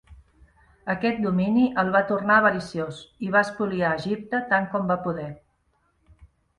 Aquest domini el va tornar avariciós i va espoliar Egipte tant com va poder.